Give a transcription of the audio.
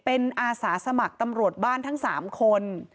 เป็นอาสาสมัครตำรวจบ้านทั้ง๓คน